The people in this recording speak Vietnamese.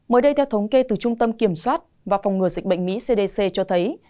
mới đây theo thống kê từ trung tâm kiểm soát và phòng ngừa dịch bệnh mỹ cdc cho thấy